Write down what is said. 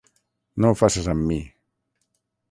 No ho faces amb mi...